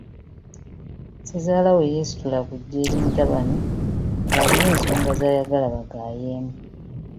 Ssezaalawe yeesitula kujja eri mutabani ng'alina ensonga z'ayagala bagaayeemu.